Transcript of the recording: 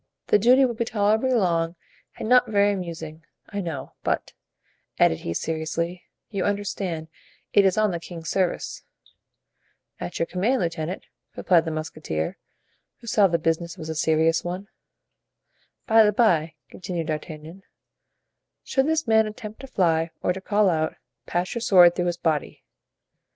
The duty will be tolerably long and not very amusing, I know; but," added he, seriously, "you understand, it is on the king's service." "At your command, lieutenant," replied the musketeer, who saw the business was a serious one. "By the bye," continued D'Artagnan, "should this man attempt to fly or to call out, pass your sword through his body."